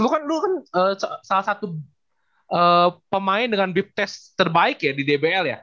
lu kan salah satu pemain dengan bip test terbaik ya di dbl ya